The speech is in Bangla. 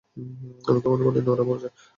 আমি কখনোই বলিনি, ওরা বলেছে।